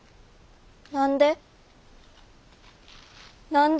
何で？